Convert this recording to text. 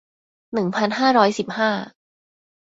หนึ่งพันห้าร้อยสิบห้า